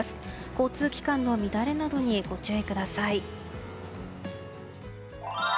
交通機関の乱れなどにご注意ください。